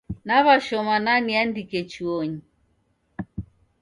Naw'ashoma na niandike chuonyi.